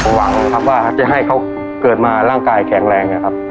หวังครับว่าจะให้เขาเกิดมาร่างกายแข็งแรงนะครับ